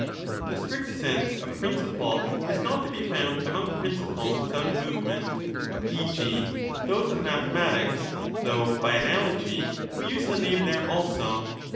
The strict sense of ' principle ' is not to be found among principles without movement, e. g. those of mathematics, though by analogy we use the name there also.